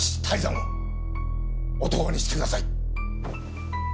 泰山を男にしてください。